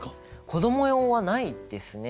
子供用はないですね。